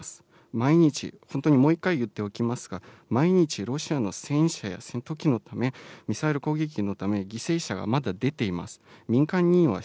毎日、本当にもう一回言っておきますが、毎日ロシアの戦車や戦闘機のため、ミサイル攻撃のため、犠牲者がまだ出ています。